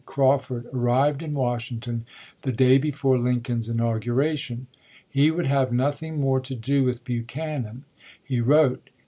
Crawford, arrived in Washington the day before Lincoln's inauguration. He would have nothing more to do with Buchanan, he wrote.